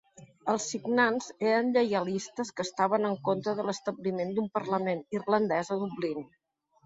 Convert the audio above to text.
Els signants eren lleialistes que estaven en contra de l'establiment d'un parlament irlandès a Dublín.